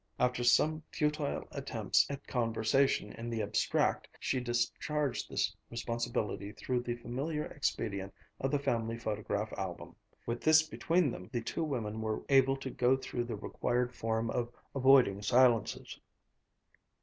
After some futile attempts at conversation in the abstract, she discharged this responsibility through the familiar expedient of the family photograph album. With this between them, the two women were able to go through the required form of avoiding silences.